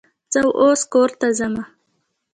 زه اوس کور ته ځمه.